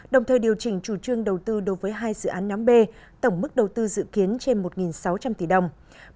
đồng thời điều chỉnh chủ trương đầu tư đối với hai dự án nhóm b tổng mức đầu tư dự kiến trên một sáu trăm linh tỷ đồng